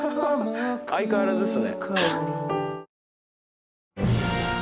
相変わらずっすね。